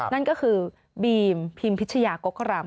นั่นก็คือบีมพิมพิชยากกรำ